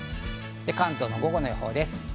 関東の午後の予報です。